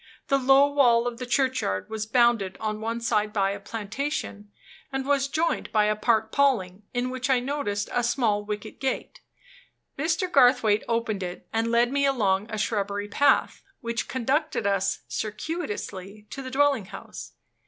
The low wall of the churchyard was bounded on one side by a plantation, and was joined by a park paling, in which I noticed a small wicket gate. Mr. Garthwaite opened it, and led me along a shrubbery path, which conducted us circuitously to the dwelling house.